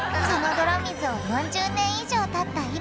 その泥水を４０年以上たった